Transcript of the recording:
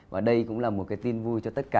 và đây cũng là một cái tin vui cho tất cả